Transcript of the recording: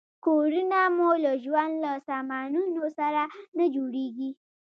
کورونه مو له ژوند له سامانونو سره نه جوړیږي.